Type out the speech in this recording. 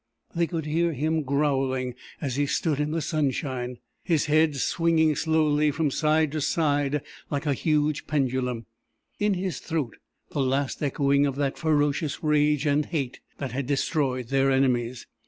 They could hear him growling as he stood in the sunshine, his head swinging slowly from side to side like a huge pendulum in his throat the last echoing of that ferocious rage and hate that had destroyed their enemies.